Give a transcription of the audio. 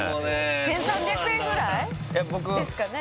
１３００円ぐらい？ですかね